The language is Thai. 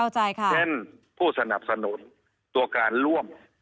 เช่นผู้สนับสนุนตัวการร่วม